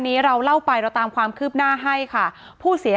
อ๋อเจ้าสีสุข่าวของสิ้นพอได้ด้วย